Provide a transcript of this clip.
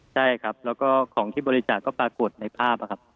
ใช่ครับแล้วก็ของที่บริจาคก็ปรากฏในภาพครับ